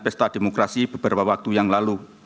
pesta demokrasi beberapa waktu yang lalu